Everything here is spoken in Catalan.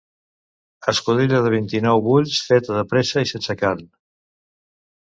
Escudella de vint-i-nou bulls feta de pressa i sense carn.